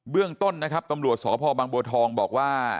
เบื้องต้นตำรวจสภบางบัวทองบอกว่า